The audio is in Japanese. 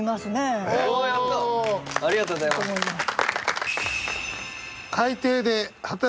ありがとうございます。